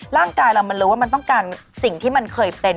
ร่างกายเรามันรู้ว่ามันต้องการสิ่งที่มันเคยเป็น